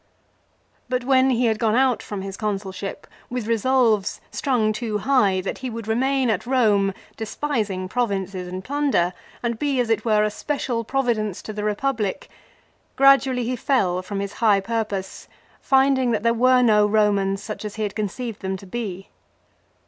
But when he had gone out from his Consulship, with resolves, strung too high that he would remain at Rome, despising MILO. 79 provinces and plunder and be as it were a special pro vidence to the Eepublic, gradually he fell from his high purpose finding that there were no Eomans such as he had conceived them to be.